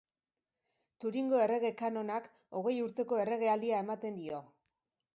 Turingo Errege Kanonak, hogei urteko erregealdia ematen dio.